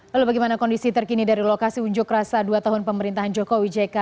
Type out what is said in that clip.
lalu bagaimana kondisi terkini dari lokasi unjuk rasa dua tahun pemerintahan jokowi jk